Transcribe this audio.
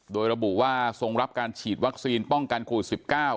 โดยระบุว่าทรงรับการฉีดวัคซีนป้องกันโควิด๑๙